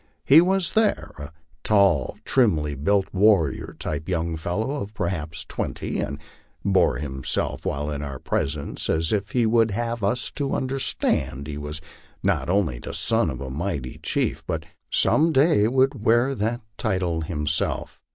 He was there, a tall, trimly built, warrior like young fellow of perhaps twenty, and bore himself while in our presence as if he would have us to understand he was not only the son of a mighty chief, but some day would wear that title himself.